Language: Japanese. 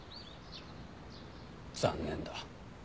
残念だ。